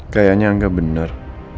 kayaknya gak bener